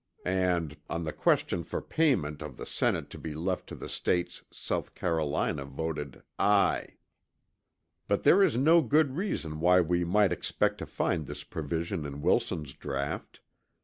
And "on the question for payment of the Senate to be left to the States" South Carolina voted "aye." But there is no good reason why we might expect to find this provision in Wilson's draught.